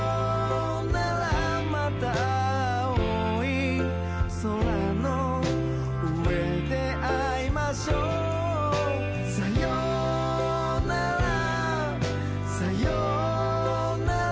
また青い空の上で逢いましょうさようならさようなら